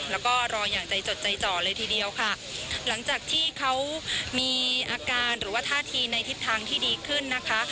แล้วก็รออย่างใจจดใจจ่อเลยทีเดียวค่ะหลังจากที่เขามีอาการหรือว่าท่าทีในทิศทางที่ดีขึ้นนะคะ